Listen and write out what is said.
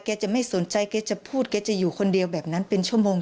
จะไม่สนใจแกจะพูดแกจะอยู่คนเดียวแบบนั้นเป็นชั่วโมง